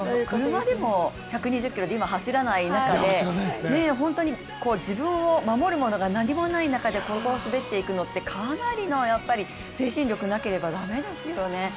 車でも１２０キロで今走らない中で、本当に自分を守るものが何もない中でここを滑っていくのって、かなりの精神力がなければ駄目ですよね